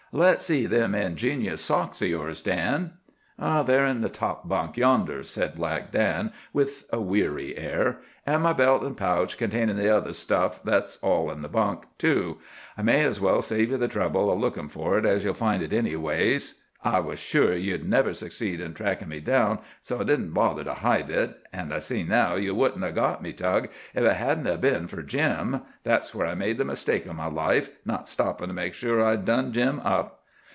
Let's see them ingenious socks o' yours, Dan." "They're in the top bunk yonder," said Black Dan, with a weary air. "An' my belt and pouch, containin' the other stuff, that's all in the bunk, too. I may's well save ye the trouble o' lookin' for it, as ye'd find it anyways. I was sure ye'd never succeed in trackin' me down, so I didn't bother to hide it. An' I see now ye wouldn't 'a' got me, Tug, ef it hadn't 'a' been fer Jim. That's where I made the mistake o' my life, not stoppin' to make sure I'd done Jim up."